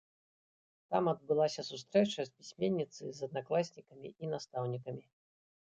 Там адбылася сустрэча пісьменніцы з аднакласнікамі і настаўнікамі.